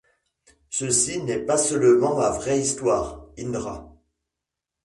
Ceci n’est pas seulement ma vraie Histoire, Indra.